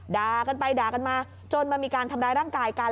ด่ากันไปด่ากันมาจนมามีการทำร้ายร่างกายกัน